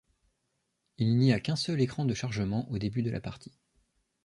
Il n'y a qu'un seul écran de chargement au début de la partie.